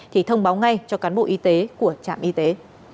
thì thông báo ngay cho cán bộ y tế của trạm y tế